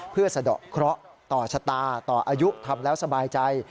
เพื่อสะดอกเคราะห์ต่อชะตาต่ออายุทำแล้วสบายใจ